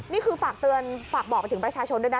นี่คือฝากเตือนฝากบอกไปถึงประชาชนด้วยนะ